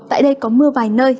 tại đây có mưa vài nơi